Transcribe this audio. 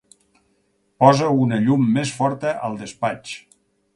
Posa una llum més forta al despatx.